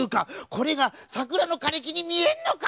これがさくらのかれきにみえんのか！